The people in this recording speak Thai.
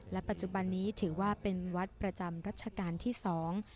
ปัจจุบันนี้ถือว่าเป็นวัดประจำรัชกาลที่สอง